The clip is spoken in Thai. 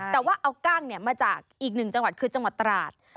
แต่ว่าเอากั้งมาจากอีกหนึ่งจังหวัดคือจังหวัดตราด